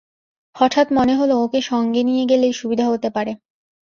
হঠাৎ মনে হল ওকে সঙ্গে নিয়ে গেলেই সুবিধা হতে পারে।